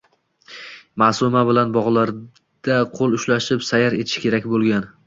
— Maʼsuma bilan bogʼlarda qoʼl ushlashib sayr etishi kerak boʼlgan